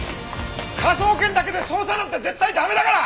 科捜研だけで捜査なんて絶対駄目だから！